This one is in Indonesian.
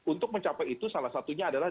untuk mencapai itu salah satunya adalah